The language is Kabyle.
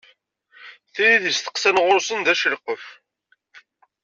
Tin i d-yesteqsan ɣur-sen d acelqef.